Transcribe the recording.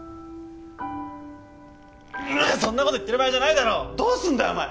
そんなこと言ってる場合じゃないだろどうすんだよ